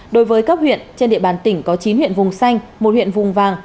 đối với cấp huyện trên địa bàn tỉnh có chín huyện vùng xanh một huyện vùng vàng